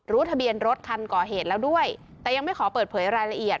ทะเบียนรถคันก่อเหตุแล้วด้วยแต่ยังไม่ขอเปิดเผยรายละเอียด